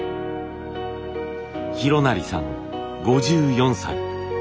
洋也さん５４歳。